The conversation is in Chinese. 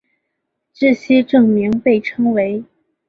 这些证明被称为。